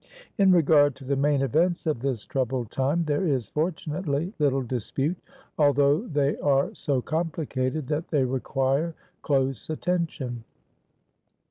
In regard to the main events of this troubled time there is, fortunately, little dispute, although they are so complicated that they require close attention.